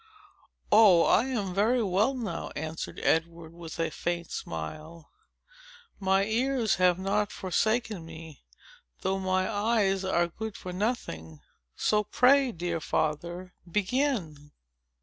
"Oh, I am very well now," answered Edward, with a faint smile. "And my ears have not forsaken me, though my eyes are good for nothing. So, pray, dear father, begin!"